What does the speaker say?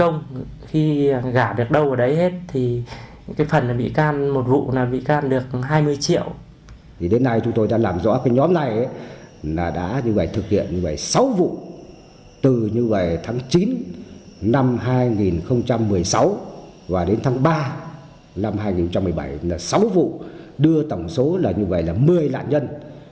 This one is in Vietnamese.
năm hai nghìn một mươi sáu và đến tháng ba năm hai nghìn một mươi bảy là sáu vụ đưa tổng số là như vậy là một mươi loạn nhân